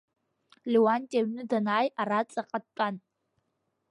Леуанти, аҩны данааи, араҵаҟа дтәан.